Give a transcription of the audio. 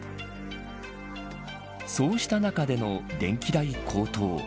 そうした中での電気代高騰。